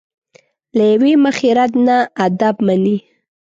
له یوې مخې رد نه ادب مني.